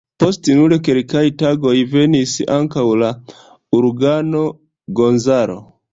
Post nur kelkaj tagoj venis ankaŭ la Uragano Gonzalo.